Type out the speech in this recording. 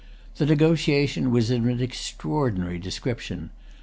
The negotiation was of an extraordinary description.